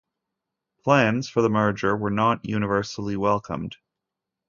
Plans for the merger were not universally welcomed.